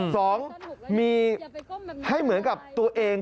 สองมีให้เหมือนกับตัวเอง